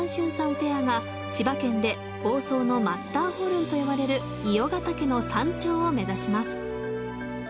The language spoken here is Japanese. ペアが千葉県で房総のマッターホルンと呼ばれる伊予ヶ岳の山頂を目指します。